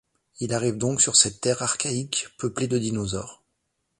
Il arrive donc sur cette Terre archaïque peuplée de dinosaures.